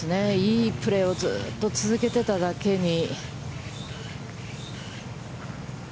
いいプレーをずっと続けていただけに。